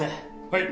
はい。